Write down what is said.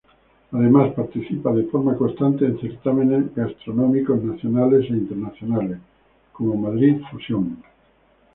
Además participa de forma constante en certámenes gastronómicos nacionales e internacionales, como Madrid Fusión.